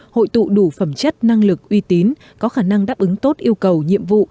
hội tụ đủ phẩm chất năng lực uy tín có khả năng đáp ứng tốt yêu cầu nhiệm vụ